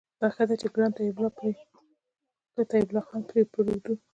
دا ښه ده چې ګران طيب الله خان پرې په اردو